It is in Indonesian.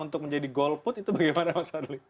untuk menjadi golput itu bagaimana mas fadli